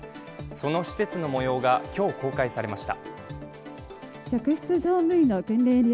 その施設のもようが今日、公開されました。